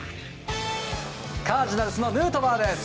カージナルスのヌートバーです。